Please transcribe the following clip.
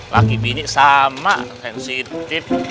laki bini sama sensitif